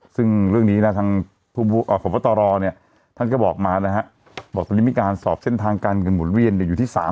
ซึ่งเรื่องนี้นะทางพบตรเนี่ยท่านก็บอกมานะฮะบอกตอนนี้มีการสอบเส้นทางการเงินหมุนเวียนอยู่ที่ศาล